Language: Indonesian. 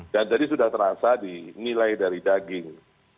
dan jadi sudah terasa di nilai dari daging